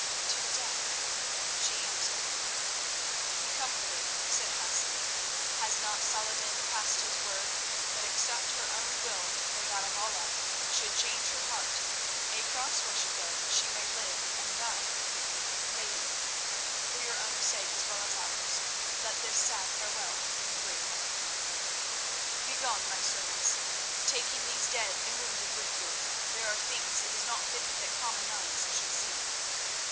"To the death," she answered. "Be comforted," said Hassan. "Has not Salah ed din passed his word that except her own will or that of Allah should change her heart, a Cross worshipper she may live and die? Lady, for your own sake as well as ours, let this sad farewell be brief. Begone, my servants, taking these dead and wounded with you. There are things it is not fitting that common eyes should see."